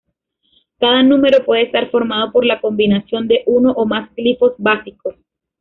Cada número puede estar formado por la combinación de uno o más glifos básicos.